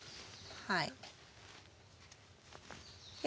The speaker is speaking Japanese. はい。